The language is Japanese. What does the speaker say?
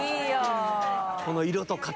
この色と形。